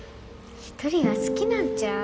一人が好きなんちゃう？